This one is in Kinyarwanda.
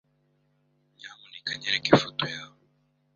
Nyamuneka nyereka ifoto yawe.